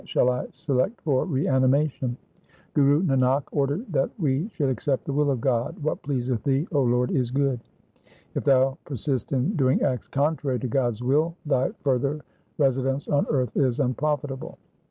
LIFE OF GURU HAR GOBIND 221 select for reanimation ? Guru Nanak ordered that we should accept the will of God —" What pleaseth Thee, 0 Lord, is good." If thou persist in doing acts contrary to God's will thy further residence on earth is unprofitable.'